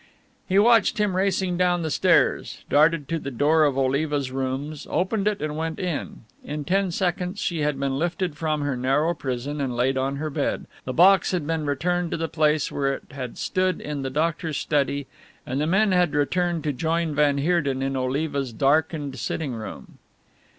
He watched him racing down the stairs, darted to the door of Oliva's rooms, opened it and went in. In ten seconds she had been lifted from her narrow prison and laid on her bed, the box had been returned to the place where it had stood in the doctor's study and the men had returned to join van Heerden in Oliva's darkened sitting room.